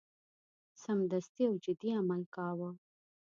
سمدستي او جدي عمل کاوه.